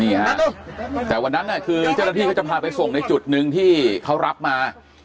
นี่ฮะแต่วันนั้นคือเจ้าหน้าที่เขาจะพาไปส่งในจุดหนึ่งที่เขารับมา